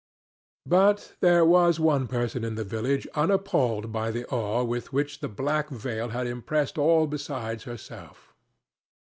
But there was one person in the village unappalled by the awe with which the black veil had impressed all besides herself.